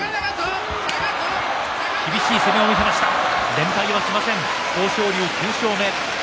連敗はしません豊昇龍、９勝目です。